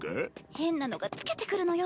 変なのがつけてくるのよ。